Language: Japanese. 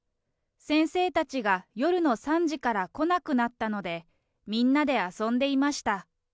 先生たちが夜の３時から来なくなったので、みんなで遊んでいました。